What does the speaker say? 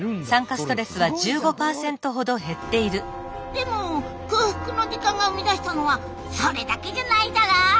でも空腹の時間が生み出したのはそれだけじゃないだろ！